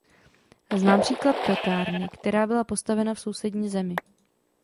Znám případ pekárny, která byla postavena v sousední zemi.